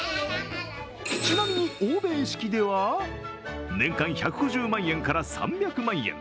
ちなみに欧米式では、年間１５０万円から３００万円。